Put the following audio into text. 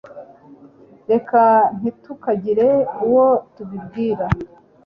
reka ntitukagire uwo tubibwira